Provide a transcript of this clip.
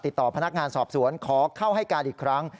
พนักงานสอบสวนขอเข้าให้การอีกครั้ง